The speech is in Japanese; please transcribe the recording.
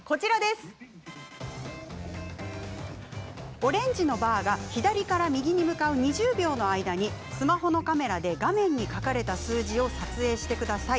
オレンジのバーが左から右に向かう２０秒の間にスマホのカメラで画面に書かれた数字を撮影してください。